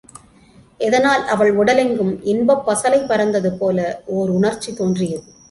இதனால் அவள் உடலெங்கும் இன்பப் பசலை பரந்ததுபோல ஓருணர்ச்சி தோன்றியது.